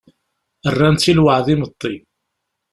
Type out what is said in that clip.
Rran-tt i lweɛd imeṭṭi.